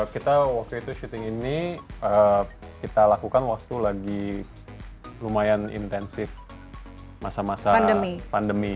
kita waktu itu syuting ini kita lakukan waktu lagi lumayan intensif masa masa pandemi